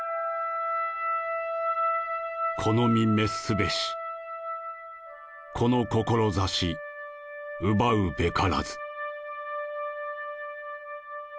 「この身滅すべしこの志奪うべからず」。